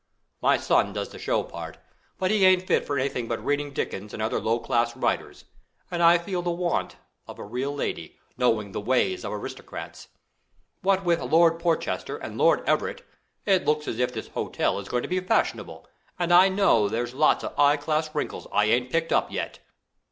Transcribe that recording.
My son does the show part; but he ain't fit for anything but reading Dickens and other low class writers, and I feel the want of a real lady, knowing the ways of the aristocrats. What with Lord Porchester and Lord Everett, it looks as if this hotel is going to be fashionable and I know there's lots of 'igh class wrinkles I ain't picked up yet.